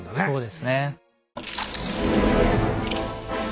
そうですね。